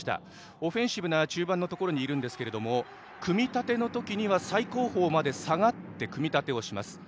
オフェンシブな中盤のところにいるんですけど組み立てのときは最後方まで下がって組み立てをします。